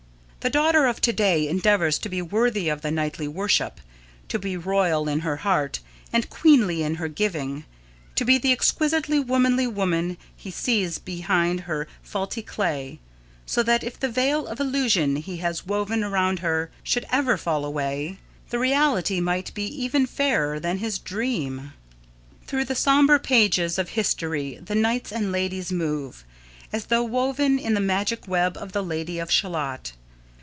The daughter of to day endeavours to be worthy of the knightly worship to be royal in her heart and queenly in her giving; to be the exquisitely womanly woman he sees behind her faulty clay, so that if the veil of illusion he has woven around her should ever fall away, the reality might be even fairer than his dream. Through the sombre pages of history the knights and ladies move, as though woven in the magic web of the Lady of Shalott.